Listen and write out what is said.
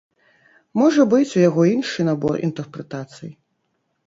Можа быць, у яго іншы набор інтэрпрэтацый.